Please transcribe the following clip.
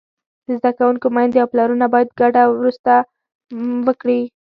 د زده کوونکو میندې او پلرونه باید ګډه مرسته وکړي.